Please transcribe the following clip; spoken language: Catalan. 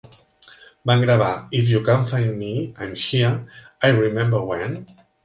Van gravar "If You Can Find Me, I'm Here", "I Remember", "When?